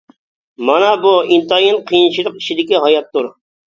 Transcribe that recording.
مانا بۇ ئىنتايىن قىيىنچىلىق ئىچىدىكى ھاياتتۇر.